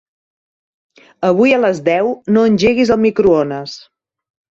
Avui a les deu no engeguis el microones.